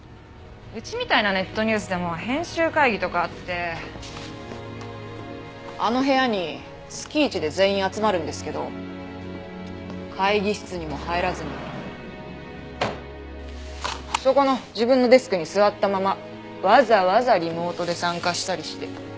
うちみたいなネットニュースでも編集会議とかあってあの部屋に月１で全員集まるんですけど会議室にも入らずにそこの自分のデスクに座ったままわざわざリモートで参加したりして。